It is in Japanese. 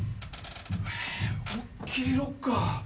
思いっきりロッカー。